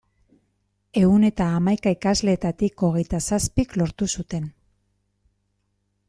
Ehun eta hamaika ikasleetatik hogeita zazpik lortu zuten.